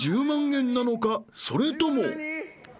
［それとも］